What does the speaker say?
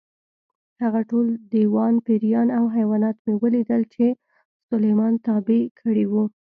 هغه ټول دیوان، پېریان او حیوانات مې ولیدل چې سلیمان تابع کړي وو.